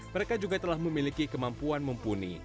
mereka juga telah memiliki kemampuan mumpuni